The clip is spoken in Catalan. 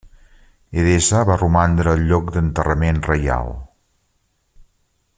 Edessa va romandre el lloc d'enterrament reial.